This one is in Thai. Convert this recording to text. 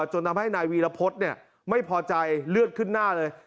จนทำให้นายวีรพฤษไม่พอใจเลือดขึ้นหน้าเลย